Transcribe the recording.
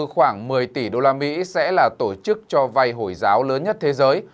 khoảng một mươi tỷ đô la mỹ sẽ là tổ chức cho vay hồi giáo lớn nhất thế giới